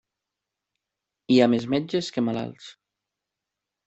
Hi ha més metges que malalts.